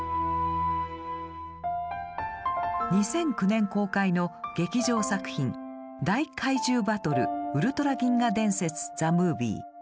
２００９年公開の劇場作品「大怪獣バトルウルトラ銀河伝説ＴＨＥＭＯＶＩＥ」。